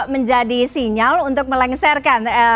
menjadi sinyal untuk melengsarkan